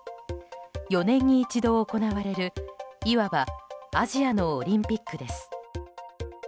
４年に一度行われるいわばアジアのオリンピックです。